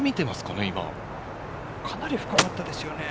かなり深かったですよね。